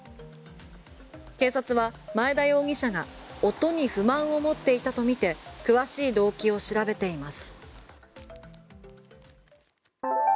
警察は前田容疑者が音に不満を持っていたとみて詳しい動機を調べています。